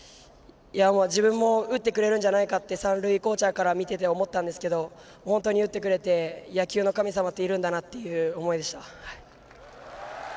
自分も打ってくれるんじゃないかって三塁コーチャーから見てて思ったんですけど本当に打ってくれて野球の神様っているんだなっていう思いでした。